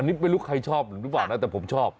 อันนี้ไม่รู้ใครชอบหรือเปล่านะแต่ผมชอบ